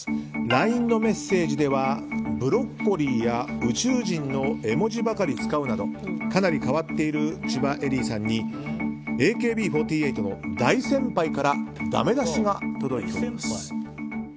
ＬＩＮＥのメッセージではブロッコリーや宇宙人の絵文字ばかり使うなどかなり変わっている千葉恵里さんにＡＫＢ４８の大先輩からだめ出しが届いております。